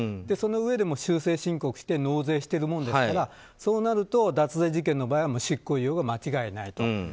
そのうえで、修正申告して納税しているもんですからそうなると脱税事件の場合は執行猶予は間違いないと。